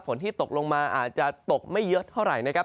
ที่ตกลงมาอาจจะตกไม่เยอะเท่าไหร่นะครับ